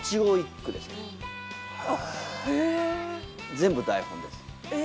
全部台本です。